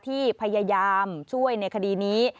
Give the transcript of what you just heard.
ที่พยายามช่วยในคดีนี้